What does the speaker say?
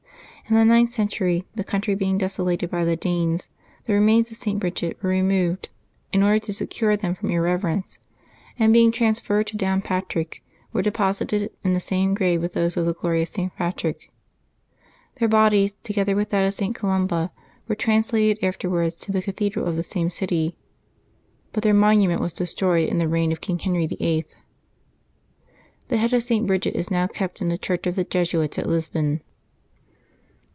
In the ninth century, the country being desolated by the Danes, the remains of St. Bridgid were removed in ordCT 58 LIVES OF THE SAINTS [Febbuaby 1 to secure them from irreverence ; and, being transferred to Down Patrick, were deposited in the same grave with those of the glorious St. Patrick. Their bodies, together with that of St. Columba, were translated afterwards to the cathedral of the same city, but their monument was de stroyed in the reign of King Henry VIII. The head of St. Bridgid is now kept in the church of the Jesuits at Lisbon.